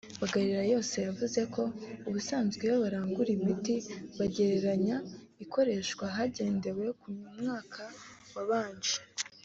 Bagarirayose yavuze ko ubusanzwe iyo barangura imiti bagereranya izakoreshwa hagendewe ku mwaka wabanje